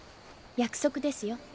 約束ですよ。